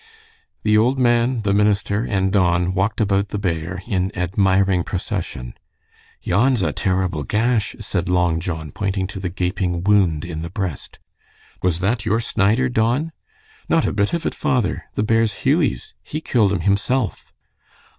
The old man, the minister, and Don walked about the bear in admiring procession. "Yon's a terrible gash," said Long John, pointing to a gaping wound in the breast. "Was that your Snider, Don?" "Not a bit of it, father. The bear's Hughie's. He killed him himself."